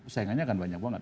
sayangnya akan banyak banget